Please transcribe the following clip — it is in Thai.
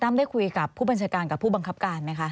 ได้คุยกับผู้บัญชาการกับผู้บังคับการไหมคะ